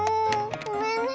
ごめんね。